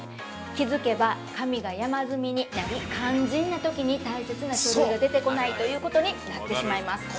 気づけば、紙が山積みになり、肝心なときに大切な書類が出てこないということになってしまいます。